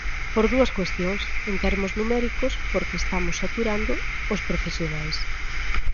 Por dúas cuestións: en termos numéricos, porque estamos saturando os profesionais.